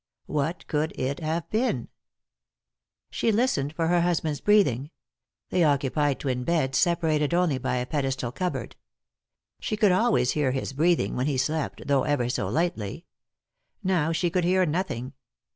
What could it have been ? She listened for her husband's breathing. They occupied twin beds, separated only by a pedestal cup board. She could always hear his breathing, when he slept, though ever so lightly. Now she could hear nothing.